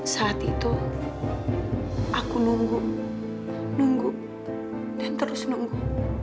saat itu aku nunggu nunggu dan terus nunggu